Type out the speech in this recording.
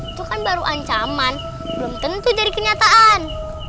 itu kan baru ancaman belum tentu dari kenyataan